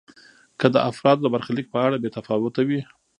که د افرادو د برخلیک په اړه بې تفاوت وي.